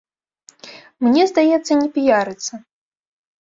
Мне здаецца, не піярыцца.